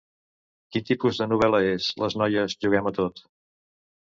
Quin tipus de novel·la és "Les noies juguem a tot!"?